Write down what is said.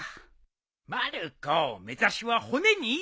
まる子目刺しは骨にいいぞ。